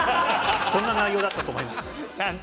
そんな内容だったと思います。